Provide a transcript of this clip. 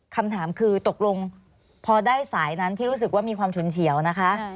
คำถามคือตกลงพอได้สายนั้นที่รู้สึกว่ามีความฉุนเฉียวนะคะ